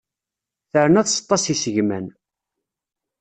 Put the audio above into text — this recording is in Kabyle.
Terna tseṭṭa s isegman.